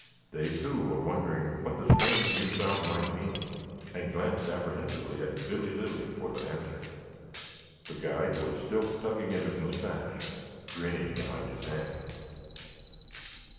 They too were wondering what the strange new sound might mean, and glanced apprehensively at Billy Lilly for the answer. The guide was still tugging at his moustache, grinning behind his hand.